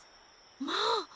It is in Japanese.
まあ！